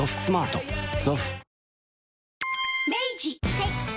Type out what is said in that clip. はい。